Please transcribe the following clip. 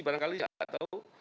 barangkali saya tidak tahu